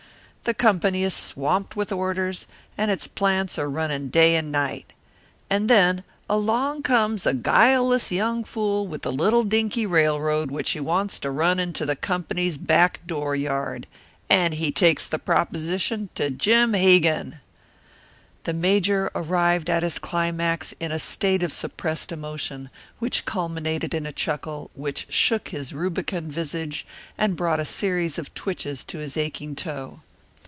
The company is swamped with orders, and its plants are running day and night. And then along comes a guileless young fool with a little dinky railroad which he wants to run into the Company's back door yard; and he takes the proposition to Jim Hegan!" The Major arrived at his climax in a state of suppressed emotion, which culminated in a chuckle, which shook his rubicund visage and brought a series of twitches to his aching toe.